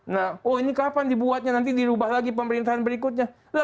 nah oh ini kapan dibuatnya nanti dirubah lagi pemerintahan berikutnya